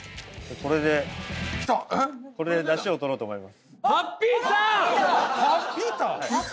これでダシをとろうと思いますウソ！？